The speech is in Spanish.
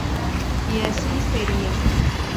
Y así sería.